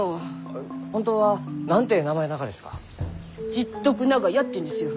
十徳長屋っていうんですよ。